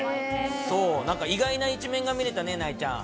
そう、なんか意外な一面が見れたね、なえちゃん。